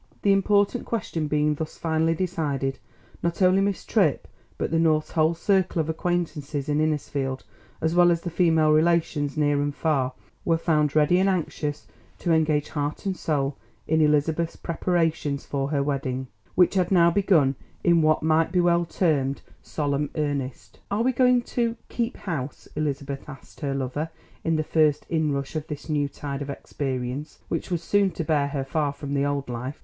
The important question being thus finally decided, not only Miss Tripp but the Norths' whole circle of acquaintances in Innisfield, as well as the female relations, near and far, were found ready and anxious to engage heart and soul in Elizabeth's preparations for her wedding, which had now begun in what might be well termed solemn earnest. "Are we going to keep house?" Elizabeth asked her lover in the first inrush of this new tide of experience which was soon to bear her far from the old life.